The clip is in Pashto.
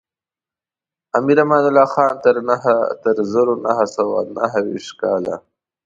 امیر امان الله خان تر زرو نهه سوه نهه ویشتم کاله.